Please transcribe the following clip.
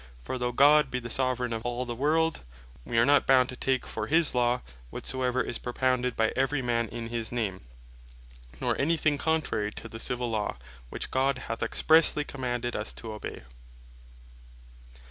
For though God be the Soveraign of all the world, we are not bound to take for his Law, whatsoever is propounded by every man in his name; nor any thing contrary to the Civill Law, which God hath expressely commanded us to obey.